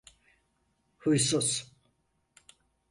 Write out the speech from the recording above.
Huysuz!